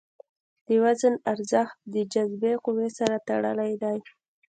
د وزن ارزښت د جاذبې قوې سره تړلی دی.